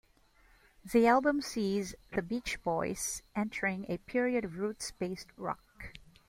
The album sees the Beach Boys entering a period of roots-based rock.